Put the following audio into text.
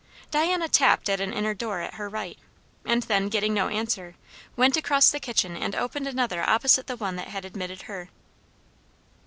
Diana tapped at an inner door at her right, and then getting no answer, went across the kitchen and opened another opposite the one that had admitted her.